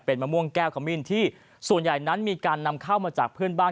มะม่วงแก้วขมิ้นที่ส่วนใหญ่นั้นมีการนำเข้ามาจากเพื่อนบ้าน